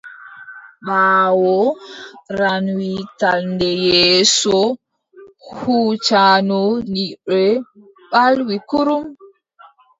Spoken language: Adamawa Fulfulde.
Ɓaawo ranwi tal nde yeeso huucanno nyiɓre ɓalwi kurum.